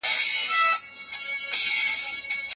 ماشومانو ته د سرک تېرېدل ور زده کړئ.